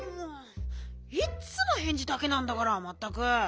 いっつもへんじだけなんだからまったく！